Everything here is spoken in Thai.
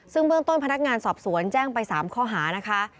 ซึ่งเบื้องต้นพนักงานสอบสวนแจ้งไป๓ข้อหานะคะ